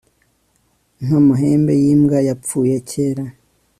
nk'amahembe y'imbwa yapfuye kera